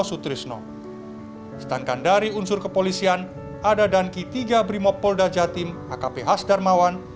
sutrisno setangkan dari unsur kepolisian ada dan ki tiga brimob polda jatim akp hasdarmawan